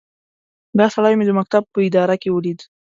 دا سړی مې د مکتب په اداره کې وليد.